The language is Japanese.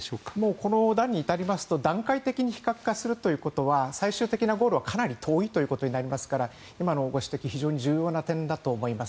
この段に至ると段階的に非核化するということは最終的なゴールはかなり遠いですが今のご指摘は非常に重要な点だと思います。